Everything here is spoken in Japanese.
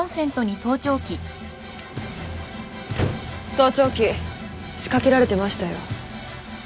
盗聴器仕掛けられてましたよ。